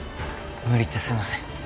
無理言ってすみません。